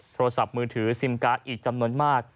โทรศัพท์มือถือซิมการ์ดอีกจำนวนมาก